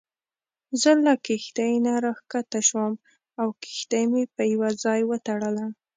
زه له کښتۍ نه راکښته شوم او کښتۍ مې په یوه ځای وتړله.